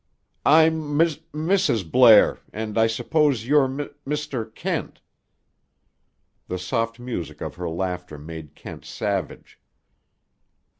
"I'm M M Mrs. Blair and I suppose you're Mr. Kent." The soft music of her laughter made Kent savage.